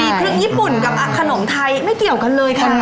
มีเครื่องญี่ปุ่นกับขนมไทยไม่เกี่ยวกันเลยค่ะ